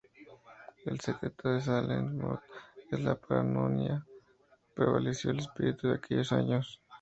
El secreto en "Salem's Lot" es la paranoia, prevaleció el espíritu de aquellos años.